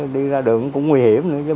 đi ra đường cũng nguy hiểm nữa